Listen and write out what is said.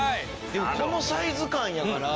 でもこのサイズ感やから。